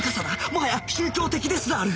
もはや宗教的ですらある